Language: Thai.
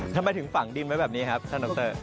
ทำไมถึงฝังดินไว้แบบนี้ครับท่านดร